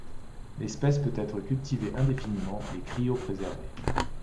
L'espèce peut être cultivée indéfiniment et cryopréservée.